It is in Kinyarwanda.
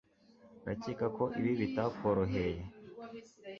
Ndakeka ko ibi bitakworoheye